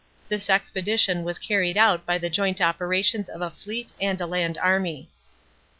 This expedition was carried out by the joint operations of a fleet and a land army.